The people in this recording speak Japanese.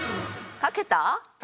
書けた！